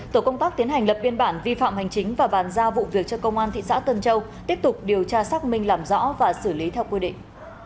tổ công tác tiến hành lập biên bản vi phạm hành chính và bàn giao vụ việc cho công an thị xã tân châu tiếp tục điều tra xác minh làm rõ và xử lý theo quy định